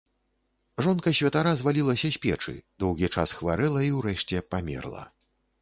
Жонка святара звалілася з печы, доўгі час хварэла і ўрэшце памерла.